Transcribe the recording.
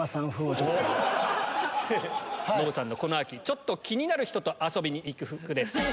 ノブさんのこの秋ちょっと気になる人と遊びに行く服です。